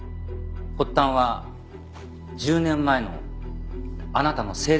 発端は１０年前のあなたの生前整理の仕事でした。